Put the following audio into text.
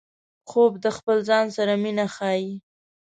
خوب د خپل ځان سره مینه ښيي